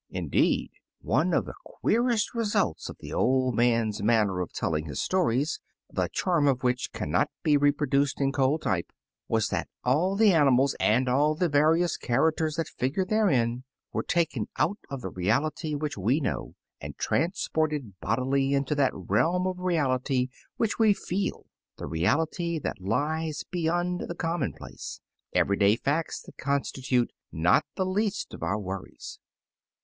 Indeed, one of the queerest results of the old man's manner of telling his stories — the charm of which cannot be reproduced in cold type — was that all the animals, and all of the various characters that figured therein, were taken out of the reality which we know, and transported bodily into that realm of reality which we feel : the reality that lies far beyond the commonplace, everyday facts that constitute riot the least 62 Taily.Po of our worries.